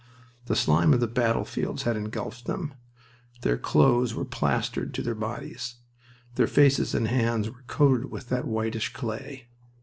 The slime of the battlefields had engulfed them. Their clothes were plastered to their bodies. Their faces and hands were coated with that whitish clay.